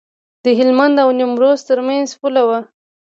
د هلمند او نیمروز ترمنځ پوله وه.